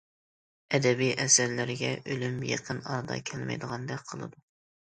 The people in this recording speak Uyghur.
ئەدەبىي ئەسەرلەرگە ئۆلۈم يېقىن ئارىدا كەلمەيدىغاندەك قىلىدۇ.